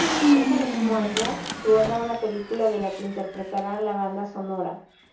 Ese mismo año rueda una película de la que interpretará la banda sonora.